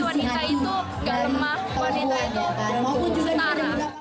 wanita itu gak lemah wanita itu setara